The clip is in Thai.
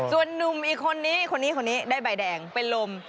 ส่วนหนุ่มอีกคนนี้คนนี้ได้ใบแดงเป็นลม